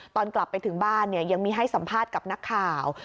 ตอนกลับไปถึงบ้านเนี่ยยังมีให้สัมภาษณ์กับนักข่าว